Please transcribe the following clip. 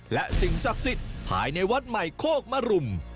และสิ่งศักดิ์สิทธิ์ภายในวัดใหม่โคกมรุม